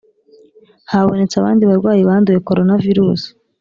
habonetse abandi barwayi banduye coronavirus